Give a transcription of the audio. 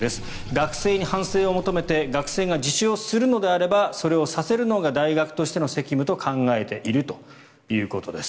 学生に反省を求めて学生が自首をするのであればそれをさせるのが大学としての責務と考えているということです。